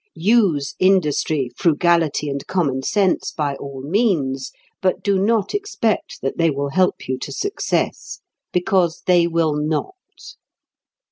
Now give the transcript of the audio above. Use industry, frugality, and common sense by all means, but do not expect that they will help you to success. Because they will not.